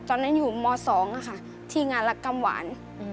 ตอนนั้นอยู่ม๒ค่ะที่งานรักกำหวาน